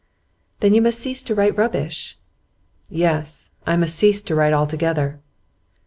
'Then you must cease to write rubbish.' 'Yes. I must cease to write altogether.